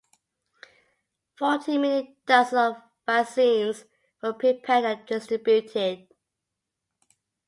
Forty million doses of vaccines were prepared and distributed.